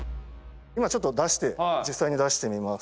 今ちょっと出して実際に出してみます。